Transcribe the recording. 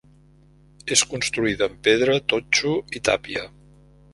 És construïda amb pedra, totxo i tàpia.